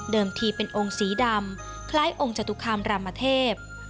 ทีเป็นองค์สีดำคล้ายองค์จตุคามรามเทพ